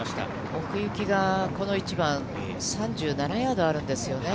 奥行きがこの１番、３７ヤードあるんですよね。